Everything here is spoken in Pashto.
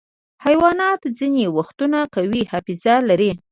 حیوانات ځینې وختونه قوي حافظه لري.